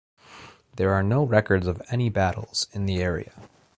There are no records of any battles in the area.